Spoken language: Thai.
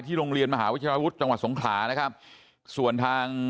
โรงเรียนมหาวิทยาวุฒิจังหวัดสงขลานะครับส่วนทาง